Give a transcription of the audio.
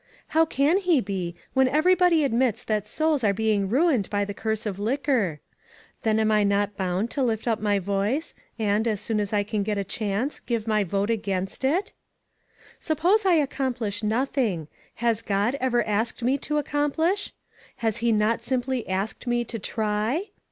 How cau he be, when everybody admits that souls are being ruined by the curse of liquor. Then am I not bound to lift up my voice, and, as soon as I can get a chance, give my vote against it? "Suppose I accomplish nothing. Has God ever asked me to accomplish ? Has he not simply asked me to try?